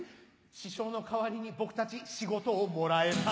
師匠の代わりに僕たち仕事をもらえたの。